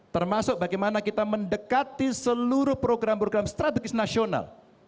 termasuk bagaimana kita mendekati seluruh program program strategis nasional